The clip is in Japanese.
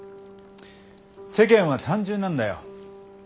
世間は単純なんだよ。